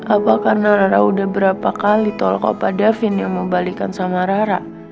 apakah rara udah berapa kali tolok opa davin yang membalikan sama rara